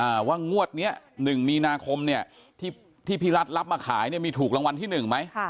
ว่างวดเนี้ยหนึ่งมีนาคมเนี้ยที่ที่พี่รัฐรับมาขายเนี่ยมีถูกรางวัลที่หนึ่งไหมค่ะ